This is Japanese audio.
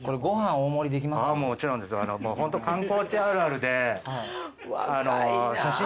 もちろんですホント観光地あるあるで。